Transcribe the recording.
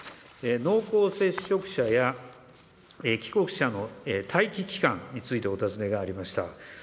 濃厚接触者や帰国者の待機期間についてお尋ねがありました。